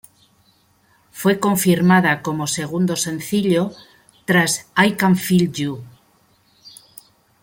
Fue confirmada como segundo sencillo tras "I Can Feel You".